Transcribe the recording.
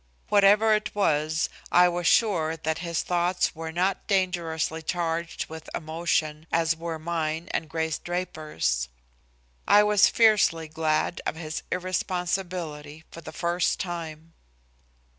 Whatever it was, I was sure that his thoughts were not dangerously charged with emotion as were mine and Grace Draper's. I was fiercely glad of his irresponsibility for the first time.